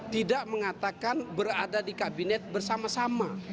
tidak mengatakan berada di kabinet bersama sama